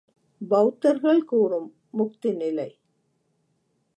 பௌத்தர்கள் கூறும் முக்தி நிலை.